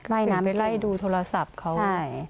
ไปไล่ดูโทรศัพท์เขา